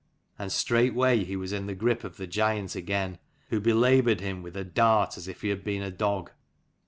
And straightway he was in the grip of the giant again, who belaboured him with a dart, as if he had been a dog.